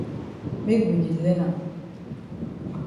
Make we di learn am.